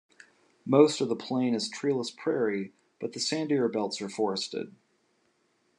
Most of the plain is treeless prairie, but the sandier belts are forested.